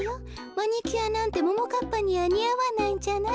マニキュアなんてももかっぱにはにあわないんじゃない？